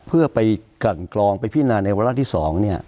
เพื่อไปกล่องไปพินาศในวัฒน์ที่๒เนี่ย